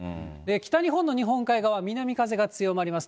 北日本の日本海側は、南風が強まります。